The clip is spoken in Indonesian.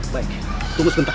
baik tunggu sebentar